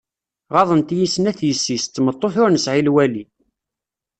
Ɣaḍent-iyi snat yessi-s, d tmeṭṭut ur nesɛi lwali.